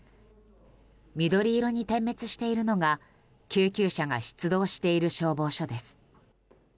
緑色に点滅しているのが救急車が出動している消防署です。